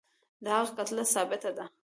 د هغه کتله ثابته ده.